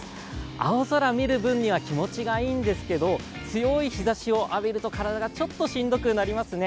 青空見る分には気持ちがいいんですけど強い日ざしを浴びると体がちょっとしんどくなりますね。